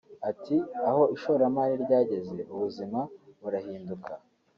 Ati “Aho ishoramari ryageze ubuzima burahinduka